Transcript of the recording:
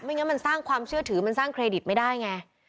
งั้นมันสร้างความเชื่อถือมันสร้างเครดิตไม่ได้ไง